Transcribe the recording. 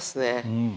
うん。